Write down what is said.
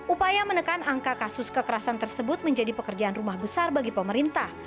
upaya menekan angka kasus kekerasan tersebut menjadi pekerjaan rumah besar bagi pemerintah